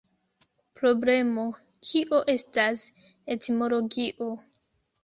Problemo: kio estas etimologio?